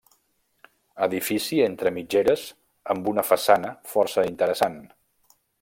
Edifici entre mitgeres amb una façana força interessant.